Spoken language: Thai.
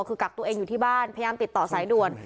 คือกักตัวเองอยู่ที่บ้านพยายามติดต่อสายด่วน